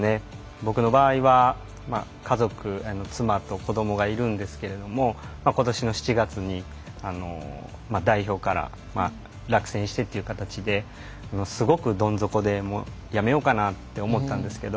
僕の場合は家族、妻と子どもがいるんですけれどもことしの７月に代表から落選してという形ですごくどん底でやめようかなと思ったんですけれど